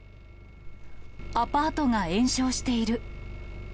アパートが延焼している。